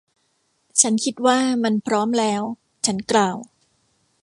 ฉันคิดว่ามันพร้อมแล้ว. ฉันกล่าว